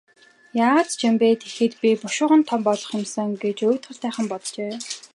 Яагаад ч юм бэ, тэгэхэд би бушуухан том болох юм сан гэж уйтгартайхан боджээ.